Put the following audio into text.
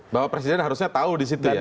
bahwa presiden harusnya tahu di situ